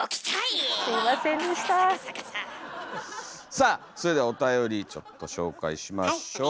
さあそれではおたよりちょっと紹介しましょう。